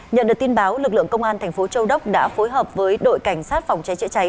nhận được tin báo lực lượng công an thành phố châu đốc đã phối hợp với đội cảnh sát phòng cháy chữa cháy